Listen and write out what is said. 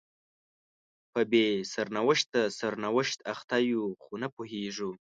په بې سرنوشته سرنوشت اخته یو خو نه پوهیږو